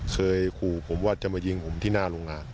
เคยขู่ผมว่าจะมายิงผมที่หน้าโรงงาน